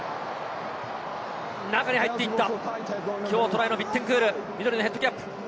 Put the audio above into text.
中に入っていった、きょうトライのビッテンクール、緑のヘッドキャップ。